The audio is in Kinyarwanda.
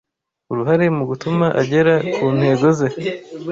uruhare mu gutuma agera ku ntego ze,